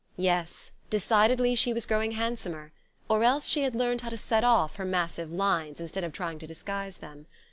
Yes; decidedly she was growing handsomer; or else she had learned how to set off her massive lines instead of trying to disguise them.